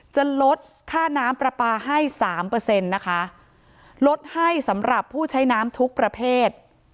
จะลดค่าน้ำปลาปลาให้สามเปอร์เซ็นต์นะคะลดให้สำหรับผู้ใช้น้ำทุกประเภท